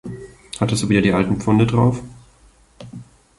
Hattest du wieder die alten Pfunde drauf?